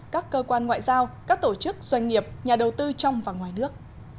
các cơ quan ngoại giao các tổ chức doanh nghiệp nhà đầu tư trong và ngoài nước